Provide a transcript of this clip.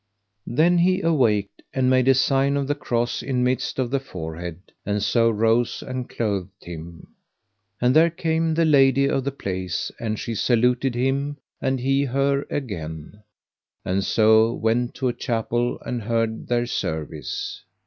Then he awaked and made a sign of the cross in midst of the forehead, and so rose and clothed him. And there came the lady of the place, and she saluted him, and he her again, and so went to a chapel and heard their service.